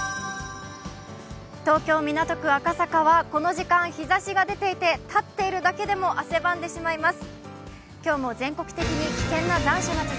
東京・港区赤坂はこの時間、日ざしが出ていて立っているだけでも汗ばんでしまいます。